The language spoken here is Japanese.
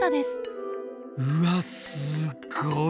うわすっごい